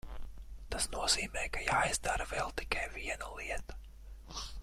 Tas nozīmē, ka ir jāizdara vēl tikai viena lieta.